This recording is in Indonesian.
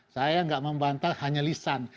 saya nggak membantah hanya lisan